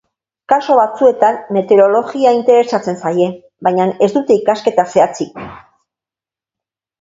Kasu batzuetan meteorologia interesatzen zaie, baina ez dute ikasketa zehatzik.